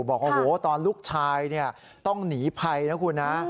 บอกว่าโอ้โหตอนลูกชายเนี่ยต้องหนีไปนะคุณนะ